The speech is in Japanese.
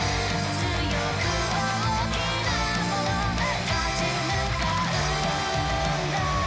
「強く大きなもの立ち向かうんだ」